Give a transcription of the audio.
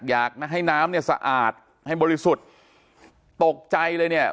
อยากให้น้ำเนี่ยสะอาดให้บริสุทธิ์ตกใจเลยเนี่ย